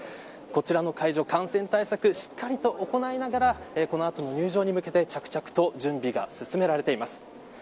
こちらの会場、感染対策をしっかりと行いながらこの後の入場に向けて着々と準備が進められています。